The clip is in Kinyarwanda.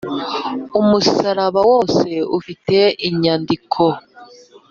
umusaraba wose ufite inyandiko